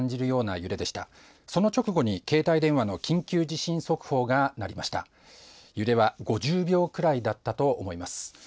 揺れは５０秒くらいだったと思います。